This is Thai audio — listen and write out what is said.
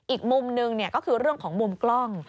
อีกมุมหนึ่งก็คือเรื่องของมุมกล้อง